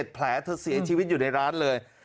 แผลเธอเสียชีวิตอยู่ในร้านเลย